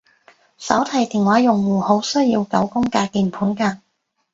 手提電話用戶好需要九宮格鍵盤㗎